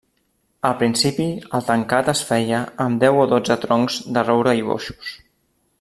Al principi el tancat es feia amb deu o dotze troncs de roure i boixos.